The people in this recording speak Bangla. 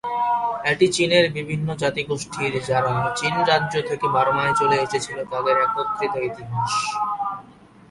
এটি চিনের বিভিন্ন জাতিগোষ্ঠীর যারা চীন রাজ্য থেকে বার্মায় চলে এসেছিল তাদের একত্রিত ইতিহাস।